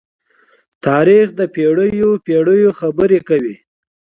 تاریخ د پېړيو پېړۍ خبرې کوي.